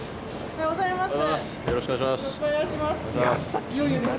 おはようございます。